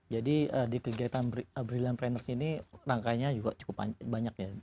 jadi di kegiatan brilliant planner ini rangkainya juga cukup banyak ya